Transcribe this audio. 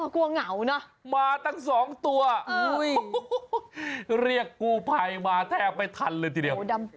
เหงานะมาตั้ง๒ตัวเรียกกู้ภัยมาแทบไม่ทันเลยทีเดียว